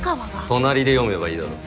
隣で読めばいいだろ。